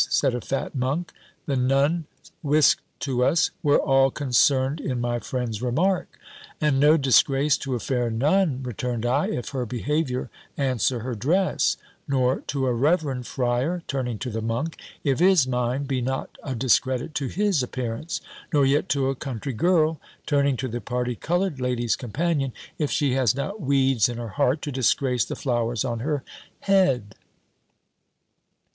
said a fat Monk. The Nun whisked to us: "We're all concerned in my friend's remark." "And no disgrace to a fair Nun," returned I, "if her behaviour answer her dress Nor to a reverend Friar," turning to the Monk, "if his mind be not a discredit to his appearance Nor yet to a Country girl," turning to the party coloured lady's companion, "if she has not weeds in her heart to disgrace the flowers on her head."